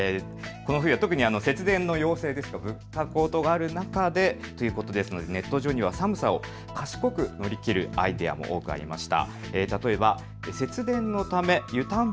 この冬は特に節電の要請ですとか物価高騰がある中でということですので、ネット上では寒さを賢く乗り切るアイデアも多くありました。